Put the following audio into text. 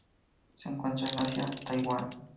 Se encuentran en Asia: Taiwán.